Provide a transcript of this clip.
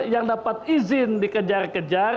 yang dapat izin dikejar kejar